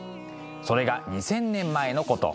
それが２，０００年前のこと。